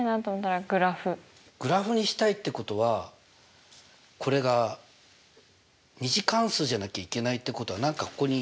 グラフにしたいってことはこれが２次関数じゃなきゃいけないってことは何かここに。＝？